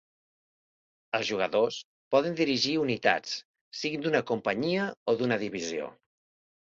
Els jugadors poden dirigir unitats, siguin d'una companyia o d'una divisió.